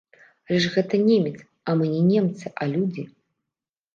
Але ж гэта немец, а мы не немцы, а людзі.